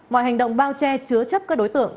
mọi hành động bao che chứa chấp các đối tượng